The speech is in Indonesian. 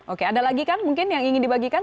oke ada lagi kan mungkin yang ingin dibagikan